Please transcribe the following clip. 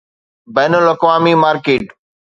بين الاقوامي مارڪيٽ